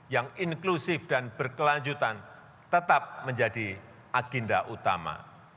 yang inklusif dan berkelanjutan tetap menjadi agenda utama